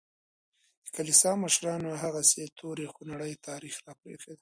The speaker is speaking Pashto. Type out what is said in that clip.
د کلیسا مشرانو هغسې تور خونړی تاریخ راپرېښی دی.